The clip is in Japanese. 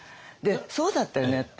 そうだったよねって。